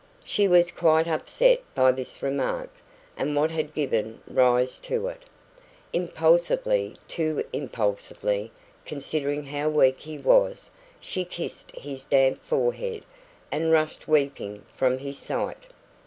She was quite upset by this remark, and what had given rise to it. Impulsively too impulsively, considering how weak he was she kissed his damp forehead, and rushed weeping from his sight.